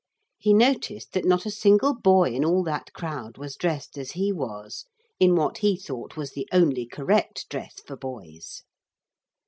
He noticed that not a single boy in all that crowd was dressed as he was in what he thought was the only correct dress for boys.